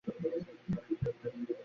তিনটে পর্যন্ত মালীদের ছুটি।